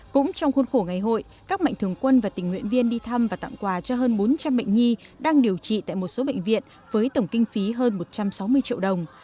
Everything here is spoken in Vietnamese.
cũng trong khuôn khổ ngày hội các mạnh thường quân và tình nguyện viên đi thăm và tặng quà cho hơn bốn trăm linh bệnh nhi đang điều trị tại một số bệnh viện với tổng kinh phí hơn một trăm sáu mươi triệu đồng